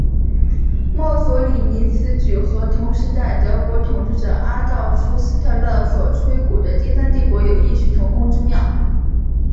墨索里尼此举和同时代德国统治者阿道夫希特勒所鼓吹的第三帝国有异曲同工之妙。